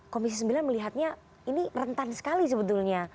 komisi sembilan melihatnya ini rentan sekali sebetulnya